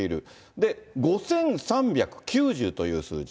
で、５３９０という数字。